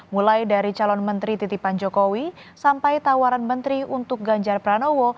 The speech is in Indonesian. mulai dari calon menteri titipan jokowi sampai tawaran menteri untuk ganjar pranowo